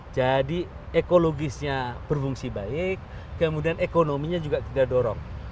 jadi ekologisnya berfungsi baik kemudian ekonominya juga tidak dorong